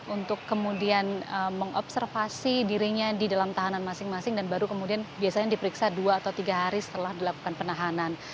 untuk kemudian mengobservasi dirinya di dalam tahanan masing masing dan baru kemudian biasanya diperiksa dua atau tiga hari setelah dilakukan penahanan